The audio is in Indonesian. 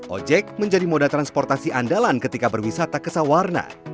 ojek menjadi moda transportasi andalan ketika berwisata ke sawarna